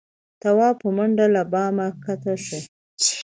تواب په منډه له بامه کښه شو.